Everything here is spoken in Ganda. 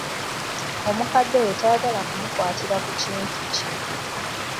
Omukadde oyo tayagala kumukwatira ku kintu kye.